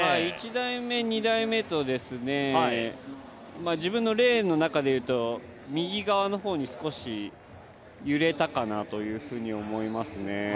１台目、２台目と自分のレーンの中でいうと右側の方に少し揺れたかなというふうに思いますね。